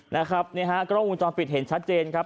นะครับนี่ฮะกล้องวงจรปิดเห็นชัดเจนครับ